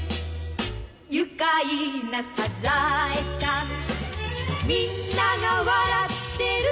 「愉快なサザエさん」「みんなが笑ってる」